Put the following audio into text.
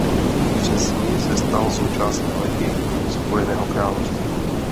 Přes ni se stal součástí vlajky Spojeného království.